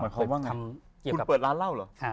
หมายความว่าไงคุณเปิดร้านเหล้าหรอ